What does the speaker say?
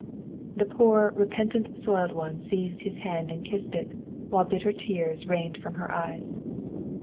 The poor, repentant, soiled one seized his hand and kissed it, while bitter tears rained from her eyes.